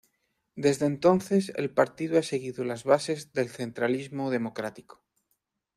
Desde entonces, el partido ha seguido las bases del centralismo democrático.